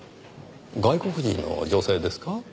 外国人の女性ですか？